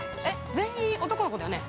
全員男の子だよね？